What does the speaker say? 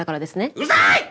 うるさい！